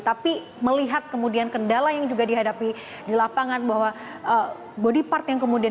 tapi melihat kemudian kendala yang juga dihadapi di lapangan bahwa body part yang kemudian